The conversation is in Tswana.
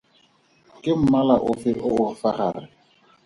Ke mmala ofe o o fa gare?